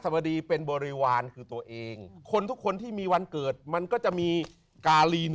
บดีเป็นบริวารคือตัวเองคนทุกคนที่มีวันเกิดมันก็จะมีการีน